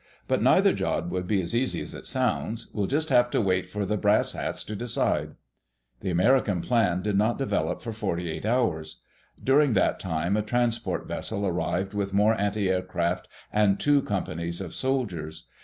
But neither job would be as easy as it sounds. We'll just have to wait for the brass hats to decide." The American plan did not develop for forty eight hours. During that time a transport vessel arrived with more antiaircraft and two companies of soldiers.